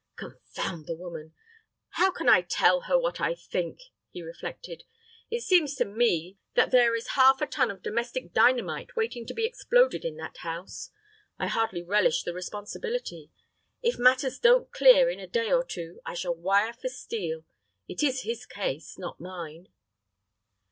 "Confound the woman! How can I tell her what I think?" he reflected. "It seems to me that there is half a ton of domestic dynamite waiting to be exploded in that house. I hardly relish the responsibility. If matters don't clear in a day or two, I shall wire for Steel. It is his case, not mine."